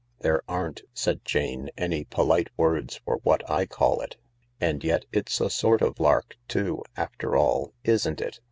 "There aren't," said Jane, "any polite words for what I call it. And yet it's a sort of lark too, after all, isn't it